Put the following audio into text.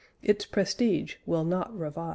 Its prestige will not revive.